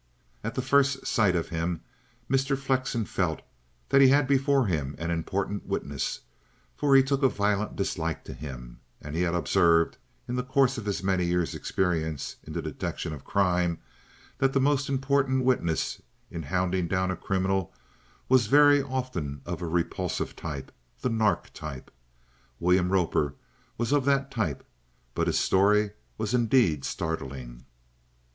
At the first sight of him Mr. Flexen felt that he had before him an important witness, for he took a violent dislike to him, and he had observed, in the course of his many years' experience in the detection of crime, that the most important witness in hounding down a criminal was very often of a repulsive type, the nark type. William Roper was of that type, but his story was indeed startling.